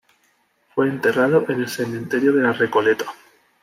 Fue enterrado en el Cementerio de La Recoleta.